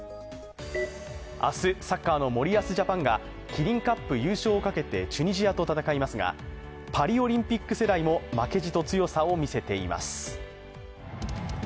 明日サッカーの森保ジャパンがキリンカップ優勝をかけてチュニジアと戦いますがパリオリンピック世代も負けじと強さを見せています。